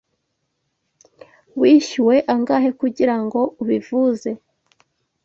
Wishyuwe angahe kugirango ubivuze?